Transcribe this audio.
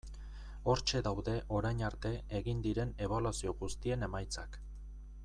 Hortxe daude orain arte egin diren ebaluazio guztien emaitzak.